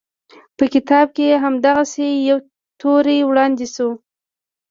په دې کتاب کې همدغسې یوه تیوري وړاندې شوې.